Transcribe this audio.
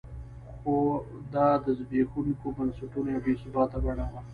خو دا د زبېښونکو بنسټونو یوه بې ثباته بڼه وه.